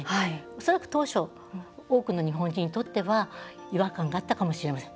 恐らく当初多くの日本人にとっては違和感があったかもしれません。